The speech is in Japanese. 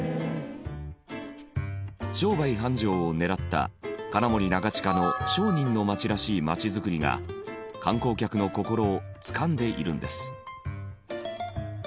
商売繁盛を狙った金森長近の商人の町らしい町づくりが観光客の心をつかんでいるんです。